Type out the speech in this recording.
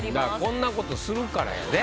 こんなことするからやで。